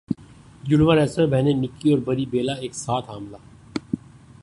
جڑواں wrestler بہنیں Nikki اور بری بیلا ایک ساتھ حاملہ